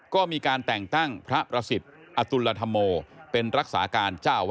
ก็มีการแต่งตั้งพระประสิทธิ์อตุลธรรมโมเป็นรักษาการเจ้าวัด